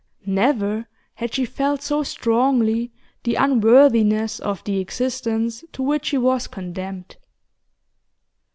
Never had she felt so strongly the unworthiness of the existence to which she was condemned.